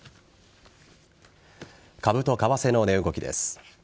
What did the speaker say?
株と為替の値動きです。